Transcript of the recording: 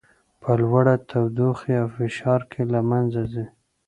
په لوړه تودوخې او فشار کې له منځه ځي.